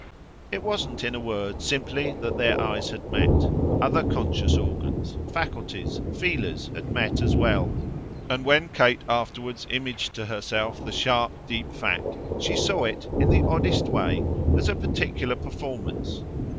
It wasn't, in a word, simply that their eyes had met; other conscious organs, faculties, feelers had met as well, and when Kate afterwards imaged to herself the sharp deep fact she saw it, in the oddest way, as a particular performance.